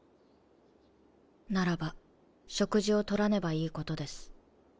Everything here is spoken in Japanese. ならば食事を取らねばいいことです。